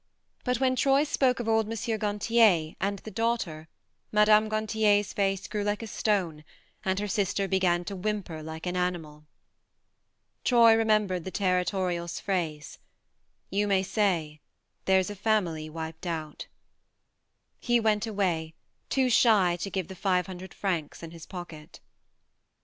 But when Troy spoke of old M. Gantier and the daughter Mme. G an tier's face grew like a stone, and her sister began to whimper like an animal. Troy remembered the territorial's phrase :" You may say : there's a family wiped out" He went away, too shy to give the five hundred francs in his pocket.